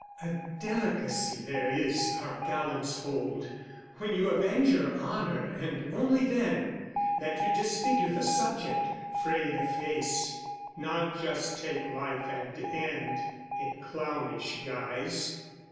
A delicacy there is, our gallants hold, When you avenge your honour and only then, That you disfigure the subject, fray the face, Not just take life and end, in clownish guise.